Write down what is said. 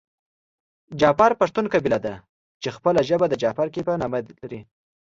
جعفر پښتون قبیله ده چې خپله ژبه د جعفرکي په نامه لري .